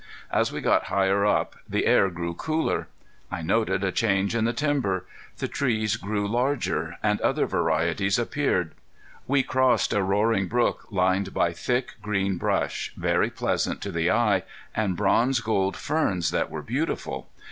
As we got higher up the air grew cooler. I noted a change in the timber. The trees grew larger, and other varieties appeared. We crossed a roaring brook lined by thick, green brush, very pleasant to the eye, and bronze gold ferns that were beautiful.